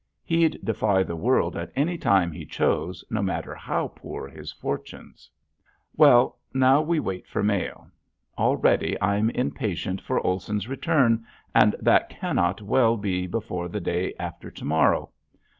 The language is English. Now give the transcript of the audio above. He'd defy the world at any time he chose no matter how poor his fortunes. Well, now we wait for mail. Already I'm impatient for Olson's return and that cannot well be before the day after to morrow.